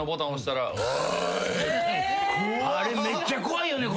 あれめっちゃ怖いよね